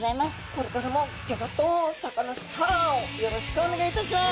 これからも「ギョギョッとサカナ★スター」をよろしくお願いいたします。